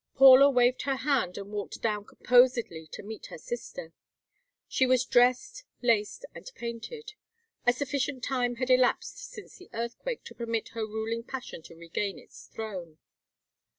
Paula waved her hand and walked down composedly to meet her sister. She was dressed, laced, and painted. A sufficient time had elapsed since the earthquake to permit her ruling passion to regain its throne.